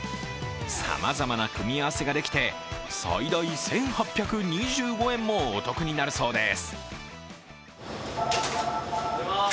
さまざまな組み合わせができて最大１８２５円もお得になるそうです。